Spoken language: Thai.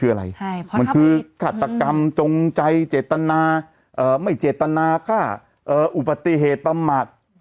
เอ้าขึ้นห้องแล้วไงอ่ะ